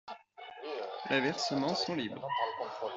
Les versements sont libres.